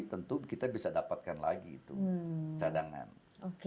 tentu kita bisa dapatkan lagi itu cadangan